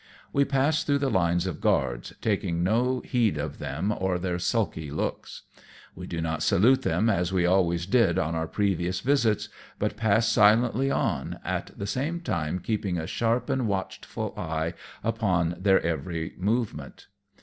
We pass through the lines of guards, taking no heed of them or their sulky looks. We do not salute them as we always did on our previous visits; but pass silently on, at the same time keeping a sharp and watchful eye upon their every movement.